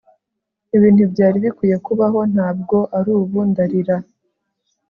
ibi ntibyari bikwiye kubaho, ntabwo arubu; ndarira